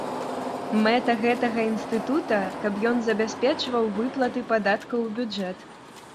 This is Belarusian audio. Мэта гэтага інстытута, каб ён забяспечваў выплаты падаткаў у бюджэт.